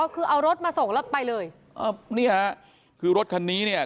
คือเอารถมาส่งแล้วไปเลยอ่านี่ฮะคือรถคันนี้เนี่ย